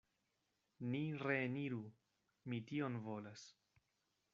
Ni reeniru; mi tion volas.